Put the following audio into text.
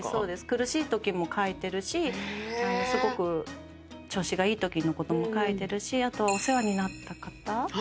苦しいときも書いてるしすごく調子がいいときのことも書いてるしあとは。